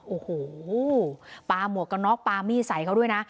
โอ้โหปลาหมวกกระน็อกปลามีดใส่เขาด้วยนะ